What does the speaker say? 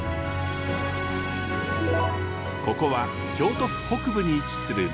ここは京都府北部に位置する舞鶴市。